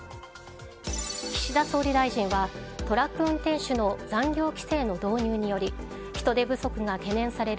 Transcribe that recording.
岸田総理大臣はトラック運転手の残業規制の導入により人手不足が懸念される